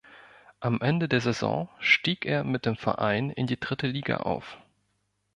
Am Ende der Saison stieg er mit dem Verein in die Dritte Liga auf.